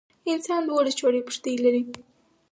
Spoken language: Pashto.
انسان دولس جوړي پښتۍ لري.